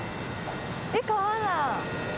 えっ川だ。